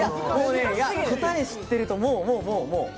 答え知ってると、もう。